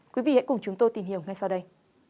quý vị hãy cùng chúng tôi tìm hiểu ngay sau đây